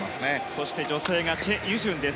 そして女性がチェ・ユジュンです。